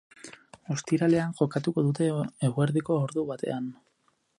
Ostiralean jokatuko dute eguerdiko ordu batean.